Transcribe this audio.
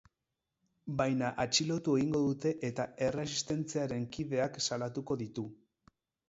Baina atxilotu egingo dute eta erresistentziaren kideak salatuko ditu.